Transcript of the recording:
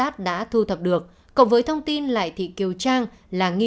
theo khai không đúng